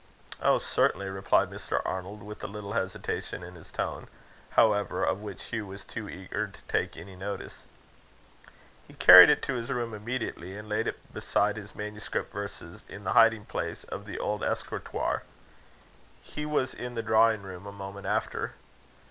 "Oh, certainly!" replied Mr. Arnold with a little hesitation in his tone, however, of which Hugh was too eager to take any notice. He carried it to his room immediately, and laid it beside his manuscript verses, in the hiding place of the old escritoire. He was in the drawing room a moment after.